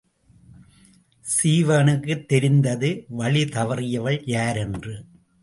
சீவகனுக்குத் தெரிந்தது வழி தவறியவள் யார் என்று.